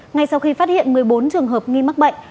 ngay sau khi phát hiện một mươi bốn trường hợp nghi mắc bệnh